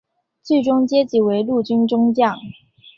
最终阶级为陆军中将。